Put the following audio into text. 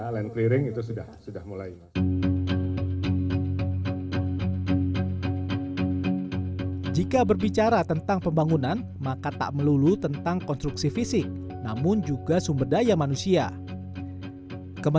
land clearing itu sudah mulai